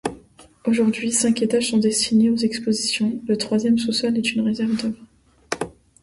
Aujourd'hui, cinq étages sont destinés aux expositions, le troisième sous-sol est une réserve d'œuvres.